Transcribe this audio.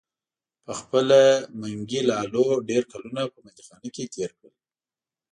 پخپله منګي لالو ډیر کلونه په بندیخانه کې تیر کړل.